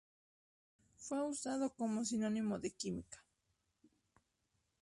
Fue usado como sinónimo de Química.